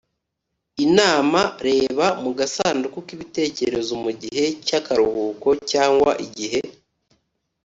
I n a m a reba mu gasanduku k ibitekerezo mu gihe cy akaruhuko cyangwa igihe